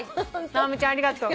直美ちゃんありがとう。